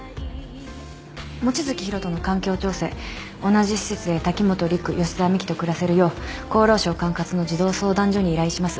望月博人の環境調整同じ施設で滝本陸吉沢未希と暮らせるよう厚労省管轄の児童相談所に依頼します。